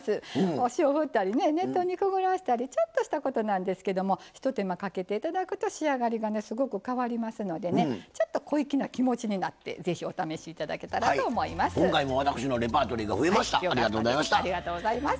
お塩を振ったり熱湯にくぐらせたりちょっとしたことなんですけどもひと手間かけていただくと仕上がりがすごく変わりますのでちょっと小粋な気持ちになってぜひお試しいただけたらと思います。